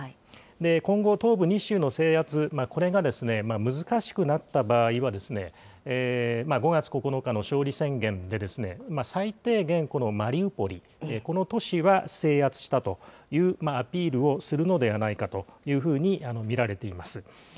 今後、東部２州の制圧、これが難しくなった場合は、５月９日の勝利宣言で、最低限、このマリウポリ、この都市は制圧したというアピールをするのではないかというふうに見られています。